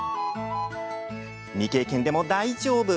未経験でも大丈夫。